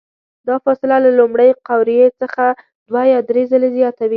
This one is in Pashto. دا فاصله له لومړۍ قوریې څخه دوه یا درې ځلې زیاته وي.